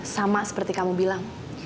sama seperti kamu bilang